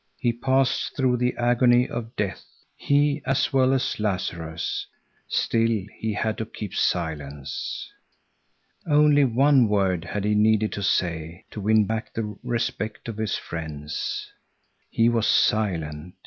He passed through the agony of death, he as well as Lazarus. Still he had to keep silence. Only one word had he needed to say to win back the respect of his friends. He was silent.